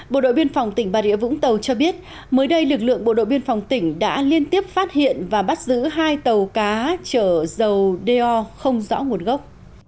bộ đội biên phòng tỉnh bà rịa vũng tàu cho biết mới đây lực lượng bộ đội biên phòng tỉnh đã liên tiếp phát hiện và bắt giữ hai tàu cá chở dầu do không rõ nguồn gốc